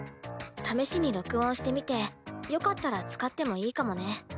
試しに録音してみてよかったら使ってもいいかもね。